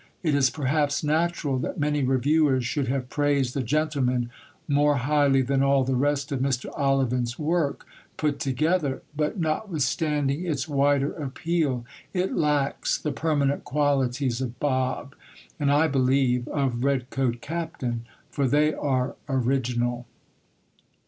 It is perhaps natural that many reviewers should have praised The Gentleman more highly than all the rest of Mr. Ollivant's work put together; but, notwithstanding its wider appeal, it lacks the permanent qualities of Bob, and (I believe) of Red Coat Captain, for they are original.